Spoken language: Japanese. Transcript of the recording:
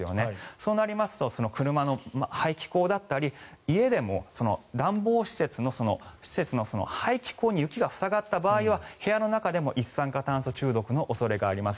そうなると、車の排気口だったり家でも暖房施設の排気口に雪が塞がった場合は部屋の中でも一酸化炭素中毒の恐れがあります。